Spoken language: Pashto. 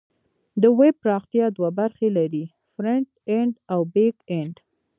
د ویب پراختیا دوه برخې لري: فرنټ اینډ او بیک اینډ.